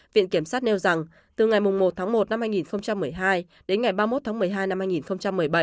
viện kiểm sát nêu rằng từ ngày một tháng một năm hai nghìn một mươi hai đến ngày ba mươi một tháng một mươi hai năm hai nghìn một mươi bảy